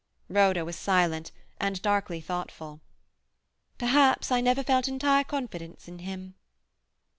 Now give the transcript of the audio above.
Rhoda was silent and darkly thoughtful. "Perhaps I never felt entire confidence in him."